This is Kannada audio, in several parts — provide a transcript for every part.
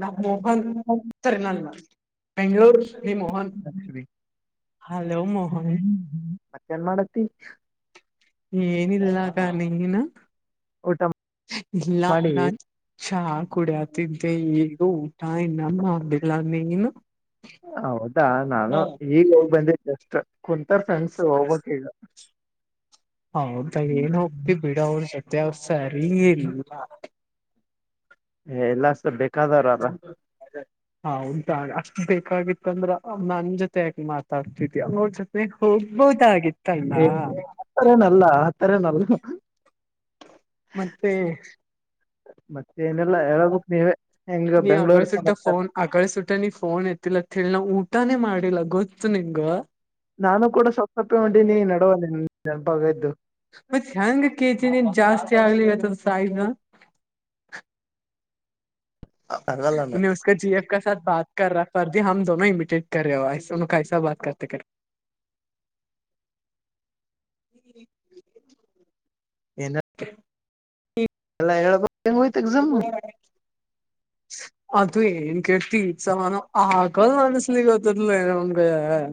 ನಾ ಮೋಹನ್ ಸರಿ ನಂದ ಬೆ್ಳೂರುೀ ಮೋಹನ್ ಹಲೋ ಮೋಹನ್ ಮತ್ತೇನ್ ಮಾಡತಿ ಏನಿಲ್ಲಗ ನೀನು ಇಲ್ಲ ನಾ ಚಾ ಕುಡಿಯತಿದ್ದೆ ಈ ತಟಾಯ ನಮ್ಮ ಬಿಲ ನೀನು ಹೌದಾ ನಾನು ಈಗ್ ಹೋಗಿ ಬಂದಿದ್ದ ಜಸ್ ಕುಂತಾರ್ ಫ್ರೆಂಡ್ಸ್ ಹೋಗಬಕ್ ಈಗ ಹೌದಾ ಏನ್ ಹೋಗ್ತಿ ಬಿಡ ಅವ್ರ ಜೊತೆ ಅವ ಸರಿ ಇಲ್ಲ ಹ ಎಲ್ಲ ಬೇಕ ಹಂತಾ ಅಷ್ಟ ಯಾಗಿತ್ತ ಅಂದ್ರ ನನ್ ಜೊತೆ ಯಾಕಲಿ ಮಾತಾಡ್ತಿದ್ಯಾ ಅವ ಜೊ ಹೋಗ್ಬೋದಾಗಿತ್ತಲ್ಲ ಮತ್ತೆ ನೀ ಅಗಳ ಸೋನ್ ಅಗಳ ಸ ನೀಫೋನ್ ಇ ಲ್ಲಥಳ ನ ಊಟಾೆ ಮಾಡಡಿಲಗು ನಾನು ಕೂಡ ಸ್ವಲ್ಪ್ಪೇ ಹೊಟೀಿನಿ ನಡುವ ನಿ ನೆನಪಾಗ ಇದ್ದು ಮತ್ತೆ ಹೆಂಗ ಕೆ ಜ ನೀನ್ ಜಾಸ್ತಿ ಆಗ್ಲಿ ಇತ್ತದ ಸಾಯ್ದ ಪರಗಲ್ಲ ಮ ಬತ ರಫರ್ಜಿ ಹಮ ದೋ ಇಮಿಟೇಟ್ೇಕ ಹಸಾ ಬತತೆ ಹ ಎ [inaudible] ಅಲ್ಲ ಳ ಬಂಗಯಿತಗ ಜಮ್ಮ ಅದು ಏನ್ ಕೇಳ್ತಿ ಸಮಾಮಾನ ಆಕ ಮಾನಿಸಲಿಗತಲು ನ ಆ ಗ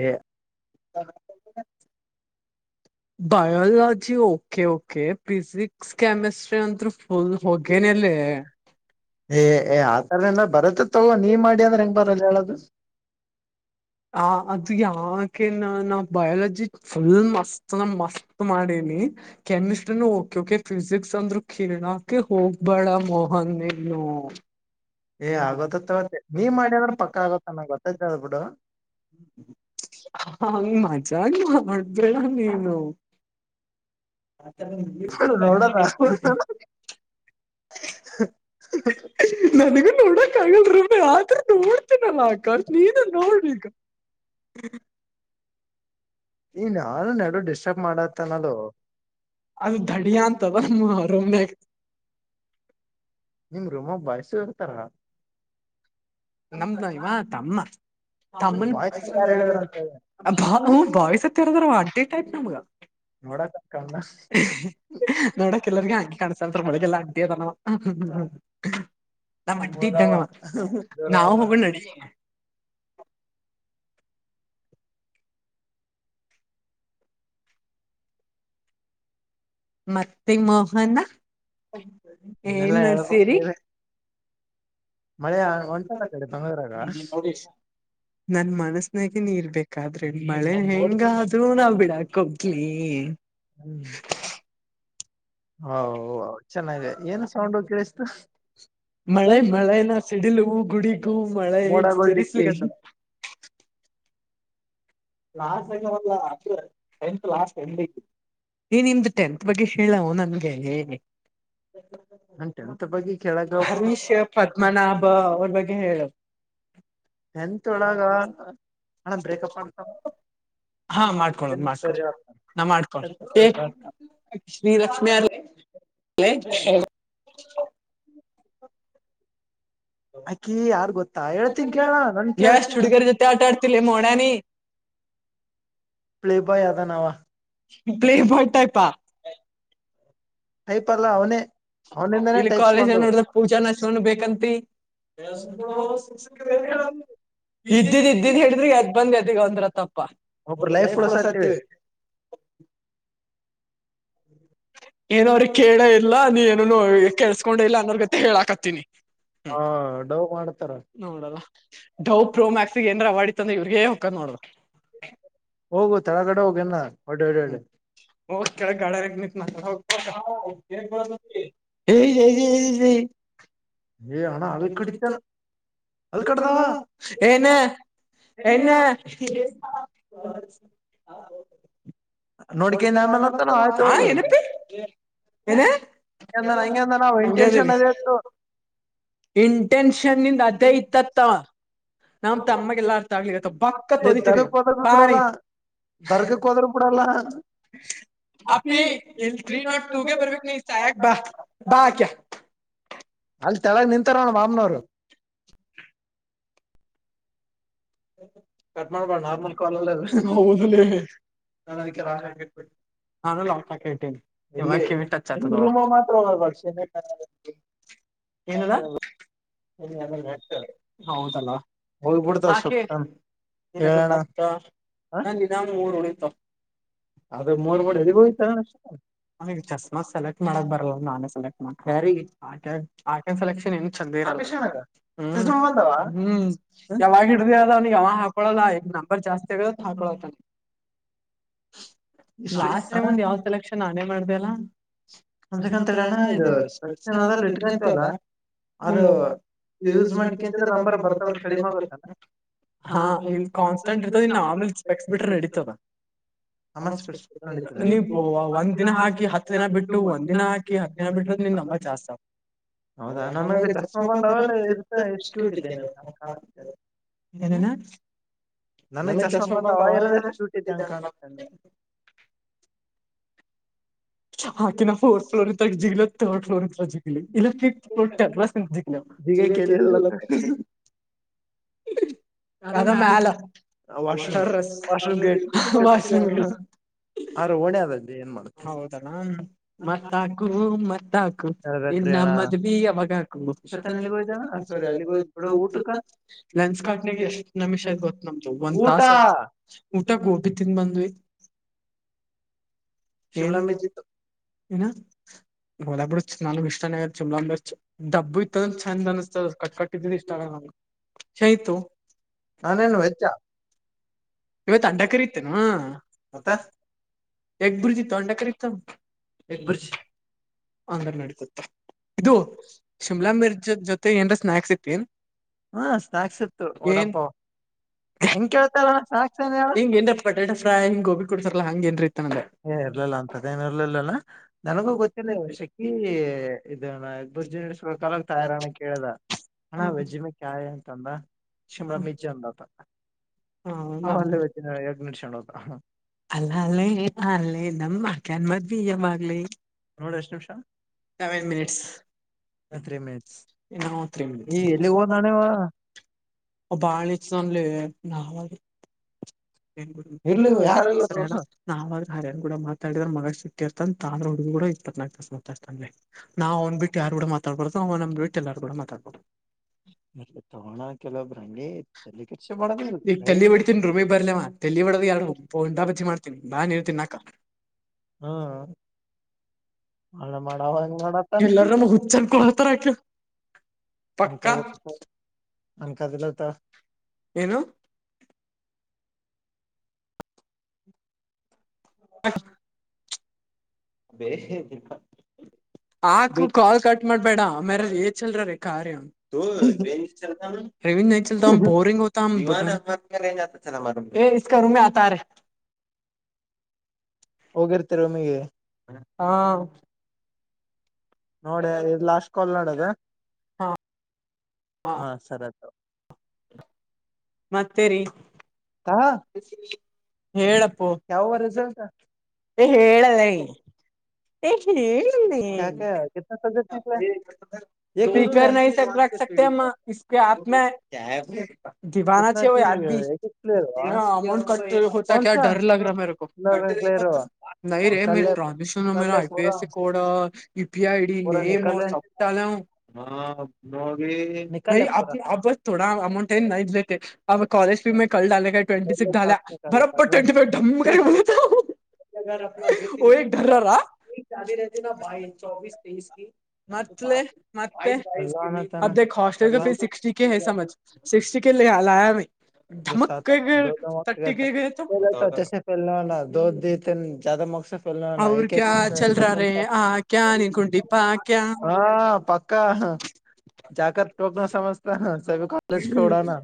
ಹ ಹ biology okay okay physics chemistry ಅಂದ್ರೂ ಹ ಹೋಗಗೇನಲ್ಲ ಏಏ ಆ ತರದಿಂದ ಬರತ್ತ ತವ ನೀವ್ ಮಾಡಿ ಅಂದ್ರೆ ಹೆಂಗ್ ಬರಲ್ಲ ಹೇಳದು ಆ ಅದು ಯಾಕೆ ನ ನಾ ಬಯಾಲಜಿ ಫುಲ್ ಮಸ್ತ್ ನ ಮಸ್ತ್ ಮಾಡೇ ಕೆಮಿಸ್ಟ್ರಿನ ಓಕೆ ಓಕೆ ಫಿಸಿಿಕ್ಸ್ ಅಂದ್ರು ಕಳಕೆ ಹೋಗ್ಬೇಡ ಮೋಹನ್ ಹ್ಮ ಏ ಆಗತ್ತತ್ಗತ್ತ ನೀ್ ಮಾಡ್ಯದ್ರ ಪಕ್ಕ ಆಗತ್ತ ನಂಗ ಗೊತ್ತತ್ತ ಅದ ಬಿಿಡು ಹಂಗ ಮಜಾಗ ಮಾಡಬಡ ನೀನು ಹ ನ ಎ [unintelligible] ನನಗ ನೋಡಕ್ಕಗಲ್ [inaudible] ಆದ್ರೂ ನೋಡ್ತೀನಲ್ಲ ಆ ಕರ್ ನೀನ ನೋಡ್ರಿ ಈಗ [inaudible] ಹ್ಮ [unintelligible] ಈ ನಾನು ಎಡು ಡಿಸ್ಟರ್ಬ್ ಮಾಡತ್ತನ [unintelligible] ನಿಮ್ ರೂಮ ಬಾಯ್ಸ ಇರ್ತಾರ ನಮ್ದು ಇವಾ ತಮ್ಮ ತಮ್ಮನ್ ಹ ಬಾಯ್ಸತ್ತರದ್ರ ಅಡ್ಡೇಟ್ ಆತ ನಮ್ಗ [unintelligible] ನೋಡಕ್ ಎಲ್ಲರಿಗ ಹಂಗಿ ಕಾಣಸತ್ ಮೋಳಗೆಲ್ಲಾ ಅಂಟಿ ಅದನವ ನಮ್ಮ ಅಟ್ಟಿ ಇದ್ದಂಗಮ್ಮ ನಾಾವವು ಮಗಳು ನಡತೇ [unintelligible] ಮತ್ತೆ ಮೋಹನ ಏನ್ ನರ್ಸೇರಿ ನನ್ ಮನಸನಾಗ ನೀ ಇರ್ಬೇಕ [unintelligible] ಯಾದ್ರೆ ಮಳೆ ಹೆಂಗ ಅೂ ನಾವ್ ಬಿಡಾಕ್ ಹೋಗಲಿ ಹ್ಮ್ [unintelligible] ಹ ಚೆನ್ನಾಗ ಏನ್ ಸೌಂಡ್ ಕೇಳಿಸ್ತು ಮಳೆ ಮಳೆನ ಸಿಡಿಲು ಗುಡಿಗೂ ಮಳೆ ಸರಿಸ್ಲಿಕ್ಕಂತ [inaudible] [inaudible] ಲಾಟ್ಲ್ಲ ಅ ಎ ಲಾಸ್ಟ್ ಎಮ [unintelligible] ಟೆಂತ್ ಬಗ್ಗೆ ಹೇಳೋ ನನ್ಗೆಗೆ ಹರೀಶ್ ಪದ್ಮನಾಭ ಅವ್ರ ಬಗ್ ಹೇಳು ಎಂತ ಒೊಳಗ ಹಣ್ಣ ಬ್ರೇಕಪ್ ಅಂತ [unintelligible] ಹ ಮ [unintelligible] ಶ್ರೀಲಕ್ಷ್ಮಿ ಅ ಅಕಿ ಯಾರ್ ಗೊತ್ತಾ ಹೇಳ್ತೀನ್ ಕೇಳ ನನ್ ಕಳ್ಸ [inaudible] ಪ್ಲೇಬಯ್ ಟೈಪ [unintelligible] ಇಲ್ಲಿ ಕಾಲೇಜ್ ನೋಡ್ದ ಪೂಜಾ ನಷ್ಟ ಬೇಕಂತಿ [unintelligible] [inaudible] ಇದ್ದಿದ್ ಇದ್ದಿದ್ ಹೇಳಿದ್ರೆ ಅದ್ ಬಂದ ಅದ ಈಗ ಒಂದ್ರತ್ತಪ್ಪ ಒ ಲೈಫ್ ಲಾಸ್ ಆತವಿ [inaudible] ಹ್ಮ [unintelligible] ಏನೋ ಅವ್ರಗ್ ಕೇಳ ಇಲ್ಲಾ ನೀ ಏನನು ಕೆೇಸ್ಕೊಂಡ ಇಲ್ಲ ಅನ್ನೋರ್ಗೊ ಹೇಳಾಕತ್ತೀನಿ ಹಾಡೌ ನೋಡಲ್ಲ ಡೌ ಪ್ರೋಮ್ಯಾಕ್ಸ್ ಏನ್ರ ಅವಾರ್ಡ್ ಇತ್ತು ಅಂದ್ರೆ ಇವ್ರಗೇ ಹಕ ನೋಡ್ರ ಹೋಗು ತಳಗಡೆ ಹೋಗನ ಹ್ಮ ಕೆಳ ಗಾಡ ರ [unintelligible] ಹ್ಮ [unintelligible] ಿತಡದಾವ ಏನ [unintelligible] ನ್ನ [unintelligible] ನೋಡ್ಿಕನ್ತನ [unintelligible] ಏನ ಅಂಗಗೆ ಅದೇರಿ [unintelligible] ಇಂಟೆನ್ಷನ್ಂದ ಅದೇ ಇತ್ತತ್ತಾವ ನಮತ್ ಅಮ್ಮಗೆ ಎಲ್ಲ ಅರ್ಥ ಆಗ್ಲಿ ಬಕ್ಕ ತ ಒದಿತರಿ ಬಾರಿ [unintelligible] ದರ್ಗ ಕುದರ ಪೂಡ ಅಲ್ಲ [unintelligible] ಅಪ್ಪಿ ಇಲ್ ತ್ರೀ ನಾಟ್ ಟೂಗೆ ಬರ್ಬೇಕ ಈಸ ಯಾಕ್ ಬಾ ಬಾ ಆಕ್ಯಾ ತಳಗೆ ನಿಂತಾರ ಬಾಮನರು ಕ್ಮ ನಾರ್ಮಲ್ ಕಾಲಲ್ಲಾವುದ ನದು [unintelligible] ಹಾನ ಲಾಟ ಕೆಟೀ ಇವಾಗ ಕೆ [unintelligible] ಏನದ ಹೌದೆ [unintelligible] ಏನದು ಮತ್ತ ನಂದ ನಮ ಊರು ಉಳಿತವ [unintelligible] ಚಸ್ಮಾ ಸೆಲೆಕ್ಟ್ ಮಾಡಕ್ ಬರಲ್ಲ ನಾನ ಾರಿ ಆಕ ಆಕನ್ ಸಲೆಕ್ಷನ್ ಏನ್ ಚೆಂದ ಇ ಹ್ಮ್ ಯಾವಾಗ ಹಿಡ್ದಿ ಅದ ಅವ್ನಿಗೆ ಯಾವಾಗ ಹಾಕೊಳಲ್ಲ ಈಗ ನಂಬರ್ ಜಾಸ್ತಿ ಆಗತ್ ಹಾಕೊಳತ್ತನ ಲಾಸ್ಟ್ ಟೈಮ್ ಒಂದ್ ಯಾವ ಸೆಲೆಕ್ಷನ್ ನಾನೇ ಮಾಡ್ದ ಅಲ್ಲ ಮನ್ಸಿಕ ಅಂತ ಹೇಳನ ಇದು ಸ್ಪ ಏನ್ರ ರಿಟನ್ ಐತವಲ್ಲಾ ಯೂಸ್ ಮಾಡ್ಕಂತ ನಂಬರ್ ಬರ್ತಾವ ಕಡಿಮ ಹಾ ಇಲ್ಲಿ ಕಾನ್ಸ್ಟೆಂಟ್ ಇರ್ತದ ಇನ್ ಆಮೇಲ್ಪೆಕ್ಸ್ ಬಿಟ್ರೆ ನಡತದ ನೀ ಒಂದ್ ದಿನ ಹಾಕಿ ಹತ್ ದಿನ ಬಿಟ್ಟ ಬಿ ಒಂದ ದಿನ ಹಾಕಿ ಹತ್ತು ದಿನ ಬಿಟ್ರದ ನಿನ್್ ನಂಬ ಜಾಸ್ ಹೌದಾ ನಮಾಗ ಚಸ್ಮಪ್ಪಾ ತರ ಇ ಇಷ್ಟಕಟ್ಟಿದ್ದೇನೆ ನನಾ ನನ್ನ ಚಷ್ಮಾ ಬಂದಷ್ಟ ಹಾಕ ನಾ ಫೋರ್ತ್ ಫ್ೋರ್ ಇಂತ ಜಿಗ್ಲ ತರ್ಡ್ ಫ್ೋರ್ ಜಗ್ಲಿ ಇಲ್ಲ ಫ ಫ್ೋರ್ ಜವ ಹ ಅದ ಮ್ಯಲೆ ಮಾಷ ಹೌದಣ್ಣ ಮತ್ತ ಹಾಕು ಮ ಹಾಕು ಇನ್ನು ನಮ್ಮದ ಬಿೀ ಯಾಗ ಹಾಕು ಲೆನ್ಸ್ ಕಾಟ್ನಗೆ ಎಷ್ಟ್ ನಿಮಿಷ ಆ್ ಗೊತ್ ನಮ್ದು ಒಂದ್ ತಾಸ ಊಟ ಗೋಬಿ ತಿಿಂದ ಬಂದ್ವಿ [inaudible] ಏನುಂದತ್ತು ನಾ ಗೋಲಾಪುರ ನಾಗು ಇಷ್ಟಾನ ಆಗ ಚುಮಲಾ ಅಂಬ ಡಬ್ಬು ಇತ ಛಂದ ಬಾನಸ್ತ ಕಟ್ಕಟ್ಟಿ ಇಷ್ಟ ನಮಗೆ ಹ ತು ನಚ್ಚ ಇವತ್ತು ಅಂಡಕರಿ ಇತ್ತೇನು ಮತ್ತ ಎ ಬರು್ಧಿ ತಂಡಕ ತ ಬ ಅಂಗ್ರ ನಡಸುತ್ತ ಇದು ಶಿಮ್ಲಾ ಮಿರ್ಜ ಜೊತೆ ಏನ್ ಸ್ನಾಯಾಕ್ಸ್ ಇತ್ತೇನ್ ಹಾ ಸ್ನಾಯಕ್ಸ್ ಇತ್ತು ಒಓಡಪ್ಪ ಹಿಂಗ ಏನ್ ಪಟೇಟ ಫ್ರೈ ಹಿಂಗ್ ಗೋಬಿ ಕೊಡ್ತಾರಲ್ಲಾ ಏ ಇರ್ಲಿಲ್ಲ ಅಂತದ ಏನ ಇರ್ಲಿಲ್ಲಲ್ಲ ನನಗೂ ಗೊತ್ತಿಲ್ಲ ವರ್ಷಕ್ಕ ಇದ ಬಜ್ಜಿ ನಡ್ಸ್ಕ ಕಾಲಕ್ ತಯಾರಣ ಕೇಳ್ದ ಹಣ್ಣ ವಜ್ಜ ಮೆ ಕಾಯ ಂದ ಶಿಮಳ ಮಿಜ ಅಂದತ್ತ ಹ ಒಲ್ಲೇ ಎಗ್ ನಿಷಣತಾ ಅಲ್ಲ ಅಲ್ಲೇ ಅಲ್ಲೇ ನಮ್ಮ್ ಆಕನ್ ಮತ್ ಬಿ್ಯ ಆಗ್ಲಿೇ ನೋಡಿ ಎಷ್ಟು ನಿಮಿಷ ಸೆವೆನ್ ಮಿನಿಟ್ಸ್ [inaudible] ಬಾಳಜಂದಲ್ಲಿ ನಾವ ಇಲ್ಲಿ ಯಾರೆಲ್ಲ ನಾವ್ರ ಕೂಡ ಮಾತಾಡಿದ ಮಗ ಸಿಟ್ಟಿರ್ತಾನ ತಾನ್ರ ಹುಗುೂಡ ಇಪ್ಪತ್ನಾಲ್ಕು ತಸ ಮಾತಾತನ್ ನಾ್ಂದ್ ಬಿಟ್ಟು ಯಾರ್ ಕೂಡ ಮಾಾಡ್ಬಾರು ಅವ ನ್ದ ಬಿಟ್ ಎಲ್ಲಾರ ಕೂಡ ಮಾತಾಡ್ಬೋದು ಮತ್ತ ತಗೋಣ ಕೆಲೊಬ್್ರಂಗಗೆ ತಲ್ಲಿ ಕೆಸ ಮಾಡ ಎಲ್ಲಿ ಬಿಡದು ಯಾರಡುು ಪ ಎಂಡಾ ಬಜಿ ಮಾಡ್ತೀನಿ ಬಾ ನೀನು ತಿನ್ನಾಕ್ಕ ಎಲ್ಲಾರಮ್ಮ ಹುಚ್ಚಲ್ಕತಾರ ಆಕ ಅಕ ಅಕ ತಿಲ್ಲ ಏನು ಹಾ ಆಕ ಕಲ್ ಕ ಮಾಡ್ಬೇಡ ಆಮ್ಯಾರ ಏ ಚಲ್ರ ರೀ ಕಾರ್ಯ ರವೀಂದ್ ನ ಚಲ್ ಬೋರಿಂಗ್ ಅಾ ಮ ಚ ರೂಮ ಆತ ಹೋಗಿರ್ತಿರಮಿಗೆ ಹಾ ನೋಡ ಇ ಲಾಸ್ಟ್ ಕಾಲ್ ನಡದ ಹಾ ಸರಿತ ಮತ್ತೇರಿ ಹೇಳಪ್ಪ ಯಾವವ ರಸಲ್ತ ಹೇಳಲ್ಲ ಹೇಳ ಹೇಳಿ ಕ ಕ ಸಬ್ಜೆಕ್ಟ್ ನಿ ಸ್ಪೀ ರ ಸಕ್ತ ಇ ಹಾ ಮ ದೀವಾನಾ ಚ ಯ ಅಮಾೌಂಟ್ ಕಟ್ಟ ಕ ರ್ ಲ ಮೇರೆ ಕ ರೇ ಟ್ರಾಸೆಕ್ಷನ್ ಮೇರ ಆಐಪಿಸ್ ಸಿ ಸ ನ ಅ ಅಬ್ಬ ಥೋಡಾ ಅಮೌಂಟ್ ಏನ್ ನ ಅ ಕಾಲಜ ಪೀ ಮ ಕಲ್ಡ ಟ್ವೆಂಟಿ ಸಕ್ಸ್ಲ್ಲ ಬರಬ್ಬರ್ ಟ್ವೆಂಟಿಫವ್ ಡ ದ ತೀ ಮ ಜಾದೆತ ನ ಬೈಸ ಚೌಬೀಸ ತೇೈಸ್ ಮತ್ಲೇ ಮತ್ತೆ ಅಬ್ ದೋ ಹಾಸ್ಟೆಲ್ಫ ಸಕ್ಸ್ಟಿ ಕೆ ಹ ಸಮಜ ಸಿಕ್ಸ್ಟಿ ಕೆ ಲಾ ಮ ಗುಸ್ಸ ಆ ದ ಮ ಪ ದ ದ ಜದ ಮಕ್ಸದ ಕ್ ಮಾಸ ಹಾ ಪಕ್ಕಾ ಜಾಕ ಟೋಕ ನ ಸಮಜತ ಸಭ ಕಾಲಜಕ್ಕೆ ಉಡಾನಾ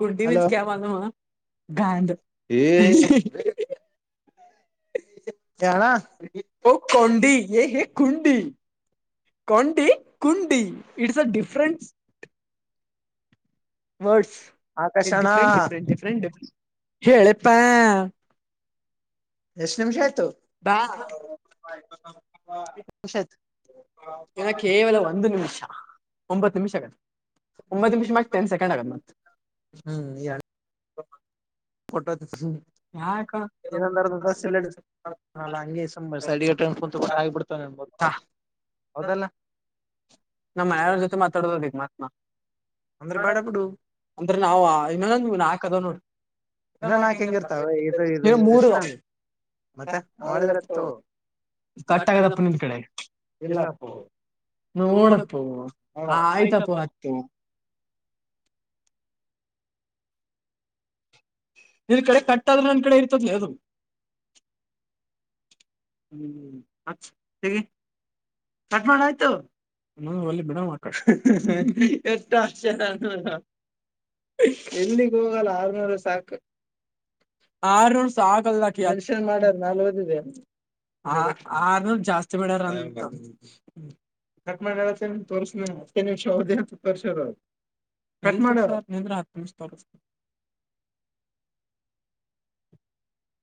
ಕುರ್್ದ ಮ ಕ ಮಾಾನ ಗಾಧ ಹ ಯಣ ಓ ಕೊಂಡಂಡ ಎ ಹ ಕುುಡಿ ಕಂಡಿ ಕುಂಡಿ it's a different words different different different different ಹೇಳಪ್ಪಾ ಎಷ್ಟ ನಿಮಷಯ ಬಾ ಕೇವಲ ಒಂದು ನಿಮಿಷಾ ಒಂಬತ್ತು ನಿಮಿಷಗ ಒಂಬತ್ತು ನಿಮಿಷ ತೆನ್ ಸೆಕಂಡ ಆಗ ಮ ಹ ಹ್ಮ್ಮ ಇಏದೆಂದ ಬಲ್ಲ ನಲ್ಲ ಹಂಗ ಸೈಿಗೆಟ ಕುುಟ್ಟ ಆಗಿಬಿಡ್ತವ ನನ್ಬೋ ಹೌದಲ್ಲಾ ನಮ್ಮ್ ಮನೆಯವರ ಜೊತೆ ಮಾತಾಡೋದ ಬೇಕು ಮಹಾತ್ಮ ಅಂದ್ರೆ ನಾವವು ಇನ್ನ ನೀ ನಾಕ್ದಾವ ನೋಡಿ ಹೆ ನೀ ಮೂರು ಅ ಕಳ ರತ ಕಟ್ಟ ಆಗದಪ್ಪ ನಿಂದ ಕಡೆ ಇಲ್ಲಪ್ಪ ನಓಡ ಪ್ಪ ಆಯ್ತಪ್ಪ ಅತ್ತು ನಿನ್ ಕಡೆ ಕಟ್ಟಾದ್ರೆ ನನ್ ಕಡೆ ಇರ್ತದಲ ಅದು ಹ್ಮ್ಗ ಕಠಮುಯತ ನ ಒಲ್ಲಿ ಬಿಡಕ ಎ ಎಲ್ಲಿಗೆ ಹೋಗಲ್ಲ ಆರ್ನೂರು ಸಾಕು ಆರ್ರ್ಸ ಆಗಲ್ಾಕಿ ಅಲ್ಷನ್ ಮಾಡ್ಯಾರ ನಾಲ್ ಓದಿದೆ ಹ ಅ ಜಾಸ್ತಿ ಬಿಡಾರ. ಕಾಟ್ ತೋರಿಸ ಹತ್ತೇ ನಿಮಿಷ ಹದೇ ಹತ್ತು ತೋರ್ಸದು ಕಟ್ ಮಾಡ ಆ ತೋತ.